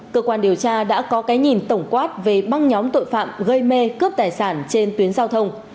cơ quan điều tra đã có cái nhìn tổng quát về băng nhóm tội phạm gây mê cướp tài sản trên tuyến giao thông